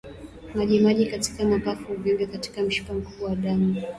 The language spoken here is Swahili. Majimaji katika mapafu uvimbe katika mshipa mkubwa wa damu